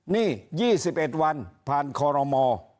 นี่๒๑วันผ่านคอรมอ